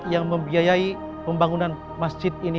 yang membiayai pembangunan masjid ini